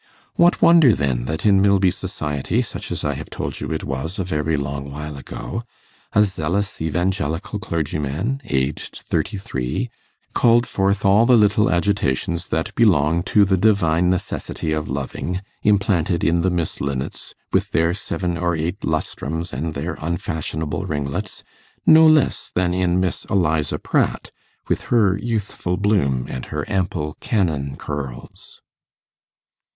What wonder, then, that in Milby society, such as I have told you it was a very long while ago, a zealous evangelical clergyman, aged thirty three, called forth all the little agitations that belong to the divine necessity of loving, implanted in the Miss Linnets, with their seven or eight lustrums and their unfashionable ringlets, no less than in Miss Eliza Pratt, with her youthful bloom and her ample cannon curls.